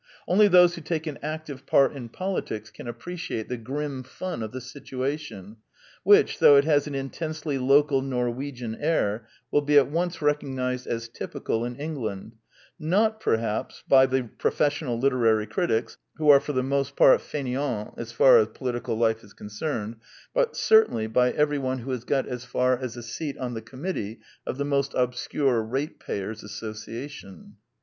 Only those who take an active part in politics can appreciate the grim fun of the situation, which, though it has an intensely local Norwegian air, will be at once recognized as typical in England, not, perhaps, by the professional literary critics, who are for the most part faineants as far as political life is concerned, but certainly by every one who has got as far as a seat on the Commit tee of the most obscure Ratepayers' Association.